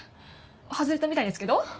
外れたみたいですけど。